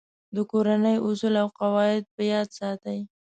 د کورنۍ اصول او قواعد په یاد ساتئ.